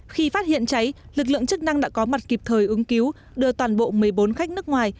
khi phát hiện cháy lực lượng chức năng đã có mặt kịp thời ứng cứu đưa toàn bộ một mươi bốn khách nước ngoài